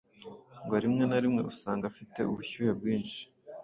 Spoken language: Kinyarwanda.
ngo rimwe na rimwe usanga afite ubushyuhe bwinshi